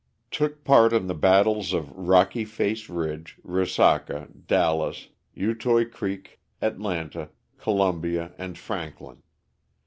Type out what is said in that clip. Took part in the battles of Rocky Face Ridge, Resaca, Dallas, Utoy Creek, Atlanta, Columbia and Franklin.